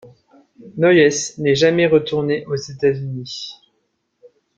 Noyes n'est jamais retourné aux États-Unis.